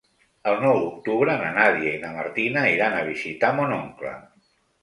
El nou d'octubre na Nàdia i na Martina iran a visitar mon oncle.